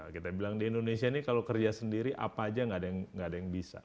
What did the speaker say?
kita bilang di indonesia ini kalau kerja sendiri apa aja nggak ada yang bisa